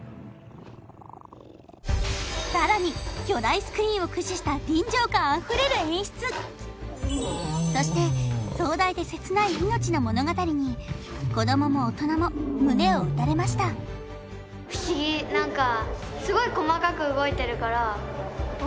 さらに巨大スクリーンを駆使した臨場感あふれる演出そして壮大で切ない命の物語に子供も大人も胸を打たれましたと思いました